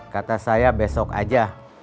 kata saya besok aja